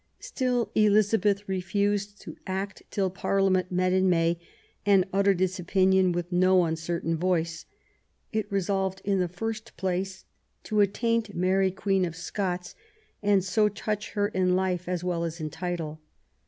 Still Elizabeth refused to act till ParHa ment met, in May, and uttered its bpinion with no uncertain voice. It resolved in the first place to attaint Mary Queen of Scots and so ''touch her in life as well as in title